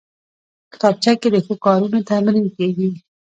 کتابچه کې د ښو کارونو تمرین کېږي